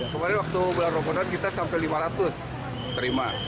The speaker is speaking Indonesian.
kemarin waktu bulan ramadan kita sampai lima ratus terima